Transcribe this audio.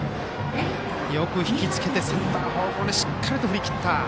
よく引きつけて、センター方向にしっかりと振り切った。